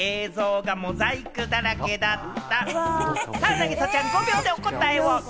凪咲ちゃん５秒でお答えを。